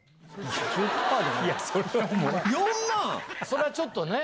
それはちょっとね？